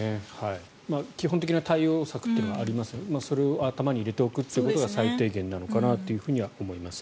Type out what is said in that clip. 基本的な対応策というのはありますのでそれを頭に入れておくってことが最低限なのかなと思います。